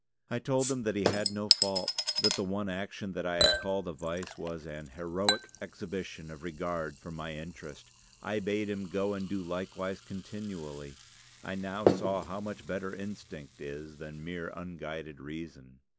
I told him that he had no fault; that the one action that I had called a vice was an heroic exhibition of regard for my interest. I bade him go and do likewise continually. I now saw how much better instinct is than mere unguided reason.